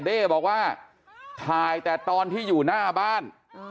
เด้บอกว่าถ่ายแต่ตอนที่อยู่หน้าบ้าน